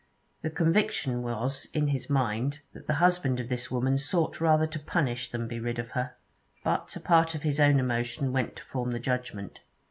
The conviction was in his mind that the husband of this woman sought rather to punish than be rid of her. But a part of his own emotion went to form the judgement.